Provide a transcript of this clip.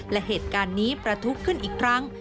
และเหตุการณ์นี้ประทุกข์ขึ้นอีกครั้ง